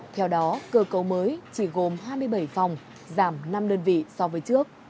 theo đó cơ cấu mới chỉ gồm hai mươi bảy phòng giảm năm đơn vị so với trước